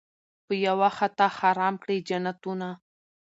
په یوه خطا حرام کړي جنتونه